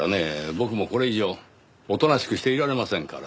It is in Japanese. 僕もこれ以上おとなしくしていられませんから。